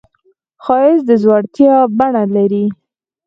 ښایست د زړورتیا بڼه لري